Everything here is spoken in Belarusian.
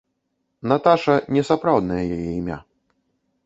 Наташа не сапраўднае яе імя.